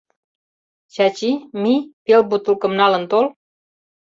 Чачи, мий пел бултылкым налын тол.